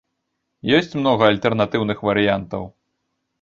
Ёсць многа альтэрнатыўных варыянтаў.